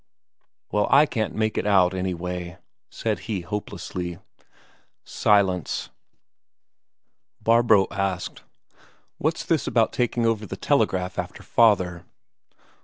"Well, I can't make it out, anyway," said he hopelessly. Silence. Barbro asked: "What's this about you taking over the telegraph after father?"